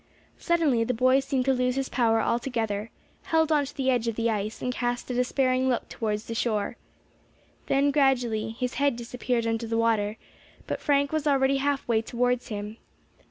Suddenly the boy seemed to lose his power altogether, held on to the edge of the ice, and cast a despairing look towards the shore. Then gradually his head disappeared under the water; but Frank was already half way towards him.